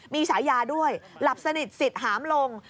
มีฉายาด้วยหลับสนิทสิทธิ์หามลง